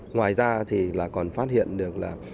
ngoài ra thì là còn phát hiện được là